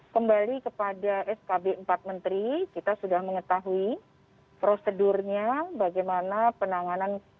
kembali kepada skb empat menteri kita sudah mengetahui prosedurnya bagaimana penanganan